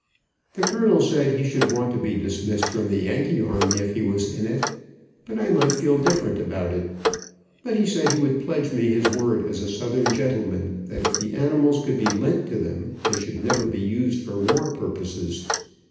The colonel said he should want to be dismissed from the Yankee army if he was in it, but I might feel different about it. But he said he would pledge me his word as a Southern gentleman, that if the animals could be lent to them, they should never be used for war purposes.